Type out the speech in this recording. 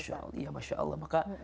masya allah ya masya allah